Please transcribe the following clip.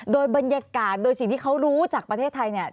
โดยบรรยากาศโดยสิ่งที่เขารู้จากประเทศไทยเนี่ย